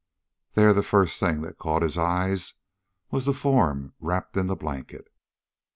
There the first thing that caught his eyes was the form wrapped in the blanket.